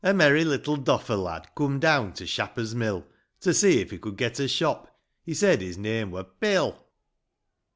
MERRY little doffer lad Coom down to Shapper's mill, To see if he could get a shop ; He said his name wur " Bill."